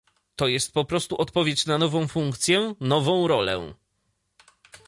To jest po prostu odpowiedź na nową funkcję, nową rolę